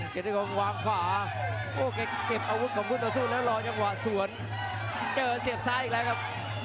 กิจิคมวางขวาโอ้แกเก็บอาวุธของคู่ต่อสู้แล้วรอจังหวะสวนเจอเสียบซ้ายอีกแล้วครับ